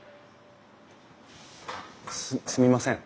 すすみません。